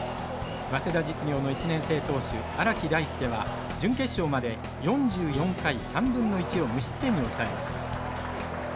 早稲田実業の１年生投手荒木大輔は準決勝まで４４回３分の１を無失点に抑えます。